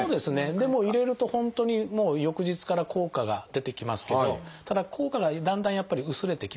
でも入れると本当に翌日から効果が出てきますけどただ効果がだんだんやっぱり薄れてきます。